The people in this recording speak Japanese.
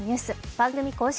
番組公式